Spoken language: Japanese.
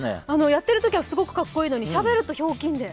やってるときはすごいかっこいいのに、しゃべるときはひょうきんで。